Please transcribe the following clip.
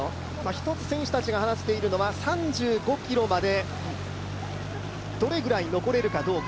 １つ選手たちが話しているのは、３５ｋｍまでどれぐらい残れるかどうか。